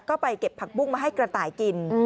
ก็ไปเก็บผักบุ้งมาให้กระต่ายกิน